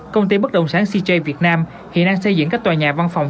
công ty bất động sản cj việt nam hiện đang xây dựng các tòa nhà văn phòng